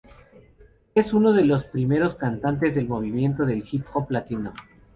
Es uno de los primeros cantantes del movimiento del hip hop latino.